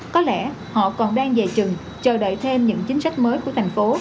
có lẽ họ còn đang dài chừng chờ đợi thêm những chính sách mới của thành phố